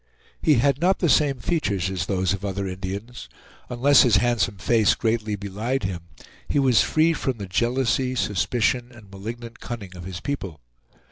He had not the same features as those of other Indians. Unless his handsome face greatly belied him, he was free from the jealousy, suspicion, and malignant cunning of his people.